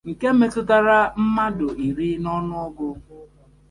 nke metụtara mmadụ iri n'ọnụọgụ